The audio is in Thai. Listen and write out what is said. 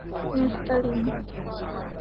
เงินสเตอร์ลิง